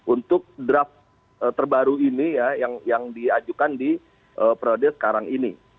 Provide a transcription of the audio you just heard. untuk draft terbaru ini ya yang diajukan di periode sekarang ini